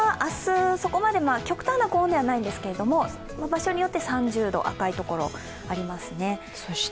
極端な高温ではないんですけど場所によって３０度、赤いところ、ありますね。